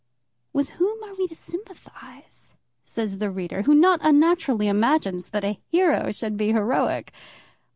With whom are we to sympathise? says the reader, who not unnaturally imagines that a hero should be heroic.